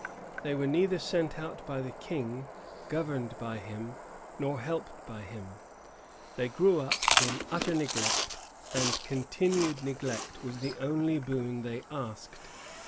They were neither sent out by the King, governed by him, nor helped by him. They grew up in utter neglect, and continued neglect was the only boon they asked.